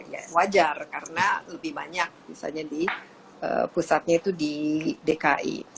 ya wajar karena lebih banyak misalnya di pusatnya itu di dki